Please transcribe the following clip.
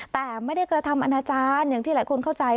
แต่ไม่ได้กระทำอนาจารย์อย่างที่หลายคนเข้าใจ